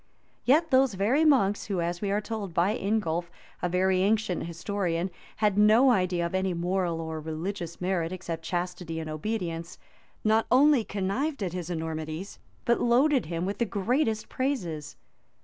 Yet those very monks, who, as we are told by Ingulf, a very ancient historian, had no idea of any moral or religious merit, except chastity and obedience, not only connived at his enormities, but loaded him with the greatest praises.